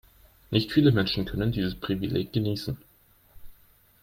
Nicht viele Menschen können dieses Privileg genießen.